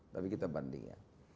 tapi kita banding ya